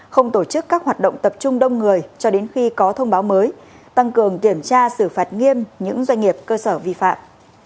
không tổ chức các hoạt động tập trung đông người cho đến khi có thông báo mới tăng cường kiểm tra xử phạt nghiêm những doanh nghiệp cơ sở vi phạm